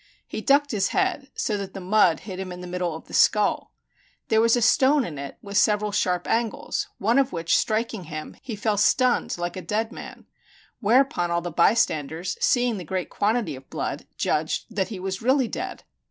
He ducked his head, so that the mud hit him in the middle of the skull. There was a stone in it with several sharp angles, one of which striking him, he fell stunned like a dead man; whereupon all the bystanders, seeing the great quantity of blood, judged that he was really dead.